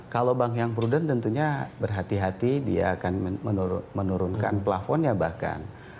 kalau bank yang prudent tentunya berhati hati dia akan menurunkan plafonnya bahkan